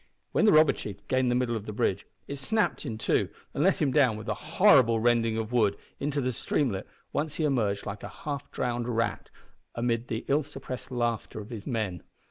When the robber chief gained the middle of the bridge it snapped in two and let him down with a horrible rending of wood into the streamlet, whence he emerged like a half drowned rat, amid the ill suppressed laughter of his men.